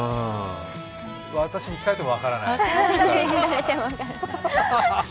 私に聞かれても分からない？